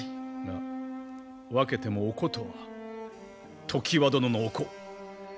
がわけてもおことは常磐殿のお子。